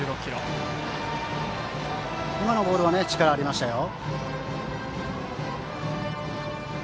今のボールは力がありましたよ。